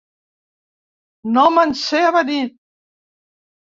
No me'n sé avenir.